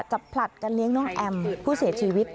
ผลัดกันเลี้ยงน้องแอมผู้เสียชีวิต